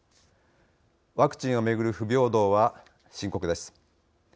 ワクチンをめぐる不平等は深刻です。